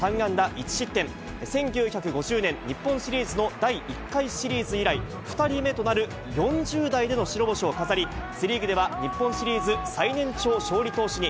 １９５０年、日本シリーズの第１回シリーズ以来、２人目となる４０代での白星を飾り、セ・リーグでは日本シリーズ最年長勝利投手に。